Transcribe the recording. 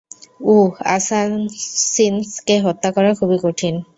উ assassins কে হত্যা করা খুবই কঠিন।